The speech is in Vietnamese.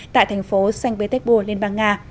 tại thành phố xanh pétéc bùa liên bang nga